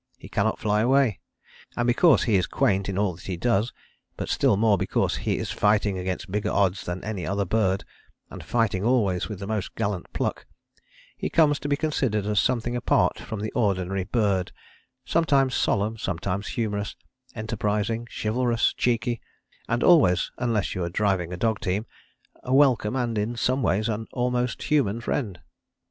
He cannot fly away. And because he is quaint in all that he does, but still more because he is fighting against bigger odds than any other bird, and fighting always with the most gallant pluck, he comes to be considered as something apart from the ordinary bird sometimes solemn, sometimes humorous, enterprising, chivalrous, cheeky and always (unless you are driving a dog team) a welcome and, in some ways, an almost human friend.